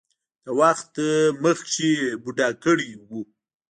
د وخت نه مخکښې بوډا کړے وۀ ـ